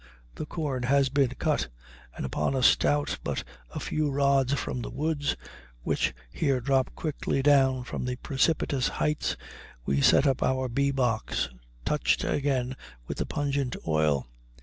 The corn has been cut, and upon a stout but a few rods from the woods, which here drop quickly down from the precipitous heights, we set up our bee box, touched again with the pungent oil.